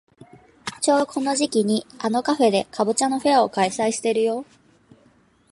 ちょうどこの時期にあのカフェでかぼちゃのフェアを開催してるよ。